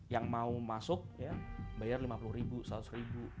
yang mau masuk bayar rp lima puluh rp seratus